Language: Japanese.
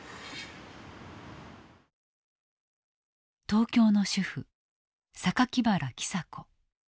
東京の主婦原喜佐子。